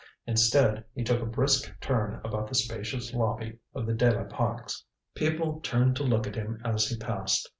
Instead he took a brisk turn about the spacious lobby of the De la Pax. People turned to look at him as he passed.